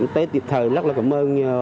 tới thời rất là cảm ơn